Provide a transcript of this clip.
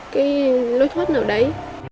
cái lối thoát nào đấy